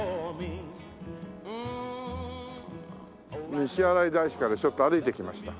西新井大師からちょっと歩いてきました。